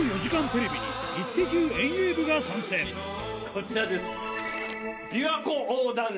こちらです。